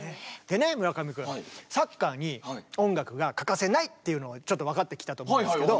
でね村上君サッカーに音楽が欠かせないっていうのはちょっと分かってきたと思うんですけど。